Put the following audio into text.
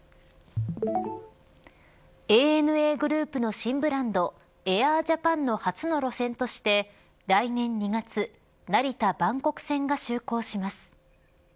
ＡＮＡグループの新ブランドＡｉｒＪａｐａｎの初の路線として来年２月成田、バンコク線が就航します。